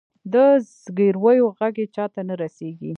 د زګیرویو ږغ یې چاته نه رسیږې